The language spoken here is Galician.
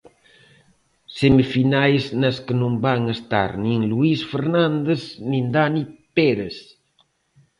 Semifinais nas que non van estar nin Luís Fernández nin Dani Pérez.